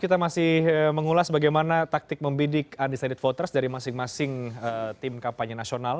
kita masih mengulas bagaimana taktik membidik undecided voters dari masing masing tim kampanye nasional